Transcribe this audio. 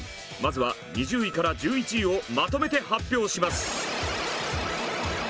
まずは２０位から１１位をまとめて発表します。